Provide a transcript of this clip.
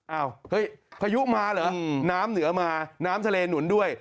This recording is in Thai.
เอ้าเฮ้ยพายุมาเหรอน้ำเหนือมาน้ำทะเลหนุนด้วย